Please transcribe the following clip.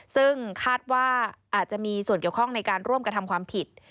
ซึ่งคาดว่าอาจจะมีส่วนเกี่ยวข้องในการร่วมกระทำความผิด